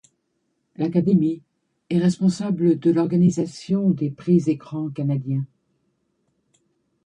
L'Académie est responsable de l'organisation des Prix Écrans canadiens.